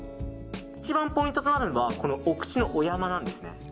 一番ポイントとなるのはお口のお山なんですね。